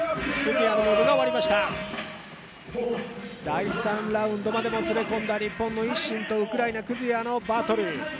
第３ラウンドまでもつれ込んだ日本のＩＳＳＩＮとウクライナ、Ｋｕｚｙａのバトル。